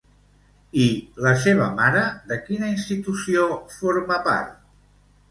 I la seva mare de quina institució forma part?